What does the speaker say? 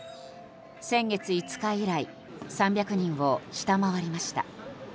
先月５日以来３００人を下回りました。